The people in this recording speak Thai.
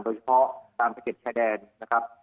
โดยเฉพาะตามสะเก็ดชายแดนนะครับ